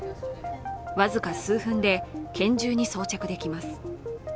僅か数分で拳銃に装着できます。